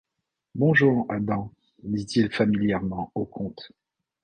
Bonjour, Adam, dit-il familièrement au comte.